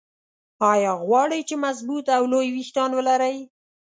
ايا غواړئ چې مضبوط او لوى ويښتان ولرى؟